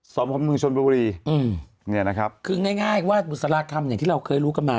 สอบพอบมืงชนบุรีครับคืิง่ายว่าบุษลาครรมที่เราเคยรู้กันมา